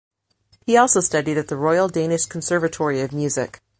He also studied at The Royal Danish Conservatory of Music.